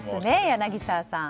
柳澤さん。